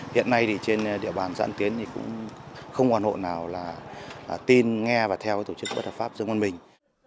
hiện nay thì trên địa bàn giãn tiến thì cũng không hoàn hộ nào là tin nghe và theo cái tổ chức bất hợp pháp dương văn mình